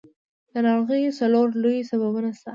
د ناروغیو څلور لوی سببونه شته.